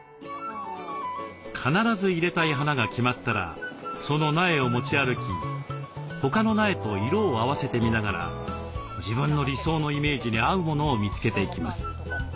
必ず入れたい花が決まったらその苗を持ち歩き他の苗と色を合わせて見ながら自分の理想のイメージに合うものを見つけていきます。